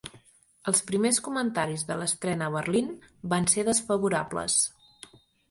Els primers comentaris de l'estrena a Berlín van ser desfavorables.